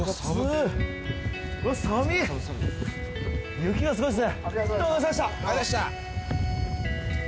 雪がすごいっすね